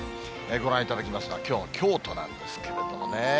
ご覧いただきますのは、きょうの京都なんですけれどもね。